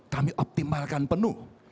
kami optimalkan penuh